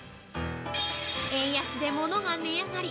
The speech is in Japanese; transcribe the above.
円安で物が値上がり！